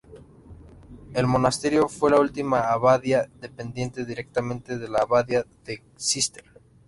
El monasterio fue la última abadía dependiente directamente de la Abadía de Císter.